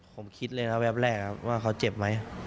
ผมคิดเลยนะแวบแรกครับว่าเขาเจ็บไหม